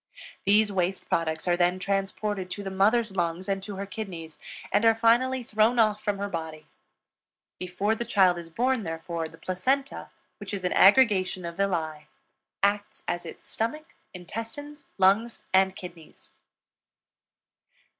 These waste products are then transported to the mother's lungs and to her kidneys, and are finally thrown off from her body. Before the child is born, therefore, the placenta, which is an aggregation of villi, acts as its stomach, intestines, lungs, and kidneys.